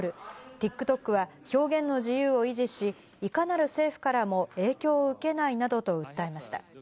ＴｉｋＴｏｋは表現の自由を維持し、いかなる政府からも影響を受けないなどと訴えました。